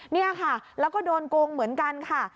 นี่ค่ะแล้วก็โดนโกงเหมือนกันค่ะ